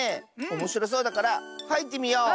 おもしろそうだからはいってみよう。